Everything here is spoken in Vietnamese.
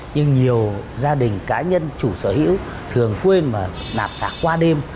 nhưng nhiều gia đình cá nhân chủ sở hữu thường quên mà nạp sạc qua đêm